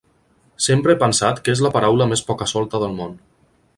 Sempre he pensat que és la paraula més poca-solta del món.